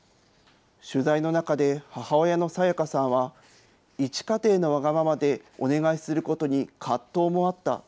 取材の中で母親の清香さんは、いち家庭のわがままでお願いすることに葛藤もあった。